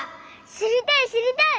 しりたいしりたい！